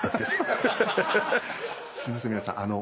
すいません皆さんあの。